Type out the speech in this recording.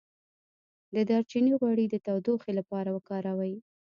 د دارچینی غوړي د تودوخې لپاره وکاروئ